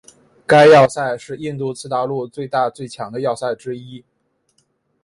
该要塞是印度次大陆最大最强的要塞之一。